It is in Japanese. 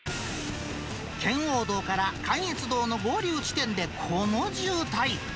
圏央道から関越道の合流地点で、この渋滞。